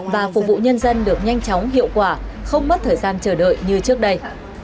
và phục vụ nhân dân được nhanh chóng hiệu quả không mất thời gian chờ đợi như trước đây